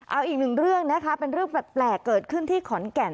เอาอีกหนึ่งเรื่องนะคะเป็นเรื่องแปลกเกิดขึ้นที่ขอนแก่น